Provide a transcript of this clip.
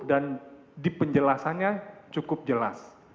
dan di penjelasannya cukup jelas